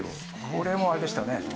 これもあれでしたよね